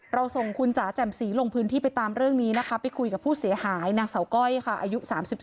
เราส่งคุณจ๋าแจ่มสีลงพื้นที่ไปตามเรื่องนี้นะคะไปคุยกับผู้เสียหายนางเสาก้อยค่ะอายุ๓๒